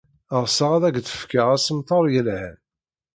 Ɣseɣ ad ak-d-fkeɣ assemter yelhan.